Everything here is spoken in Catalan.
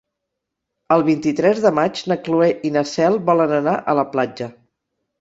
El vint-i-tres de maig na Cloè i na Cel volen anar a la platja.